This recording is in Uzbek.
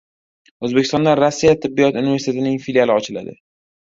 O‘zbekistonda Rossiya tibbiyot universitetining filiali ochiladi